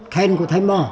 khen của thầy mò